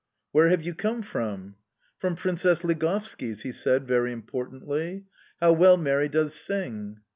"Where have you come from?" "From Princess Ligovski's," he said very importantly. "How well Mary does sing!"...